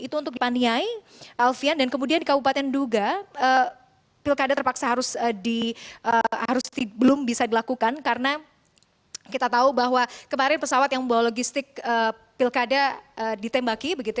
itu untuk dipaniai alfian dan kemudian di kabupaten duga pilkada terpaksa harus belum bisa dilakukan karena kita tahu bahwa kemarin pesawat yang membawa logistik pilkada ditembaki begitu ya